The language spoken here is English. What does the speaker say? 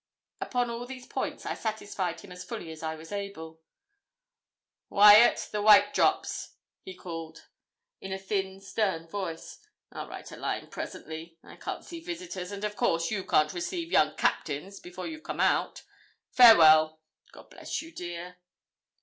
Upon all these points I satisfied him as fully as I was able. 'Wyat the white drops,' he called, in a thin, stern tone. 'I'll write a line presently. I can't see visitors, and, of course, you can't receive young captains before you've come out. Farewell! God bless you, dear.'